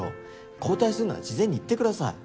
交代するなら事前に言ってください。